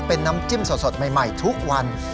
เป็นน้ำจิ้มสดใหม่ทุกวัน